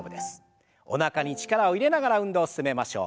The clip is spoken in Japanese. おなかに力を入れながら運動進めましょう。